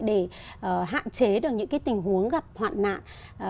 để hạn chế được những tình huống gặp hoạn nạn